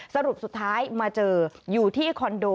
สรุปสุดท้ายมาเจออยู่ที่คอนโด